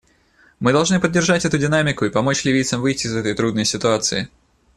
Мы должны поддержать эту динамику и помочь ливийцам выйти из этой трудной ситуации.